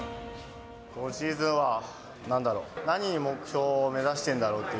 今シーズンは、なんだろう、何に目標を目指してんだろうって。